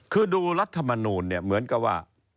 คือดูรัฐมนูลเนี่ยเหมือนกับว่า